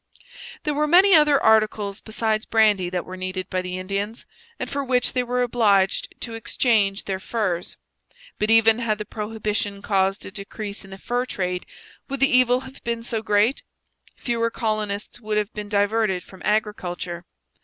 There were many other articles besides brandy that were needed by the Indians, and for which they were obliged to exchange their furs. But even had the prohibition caused a decrease in the fur trade, would the evil have been so great? Fewer colonists would have been diverted from agriculture.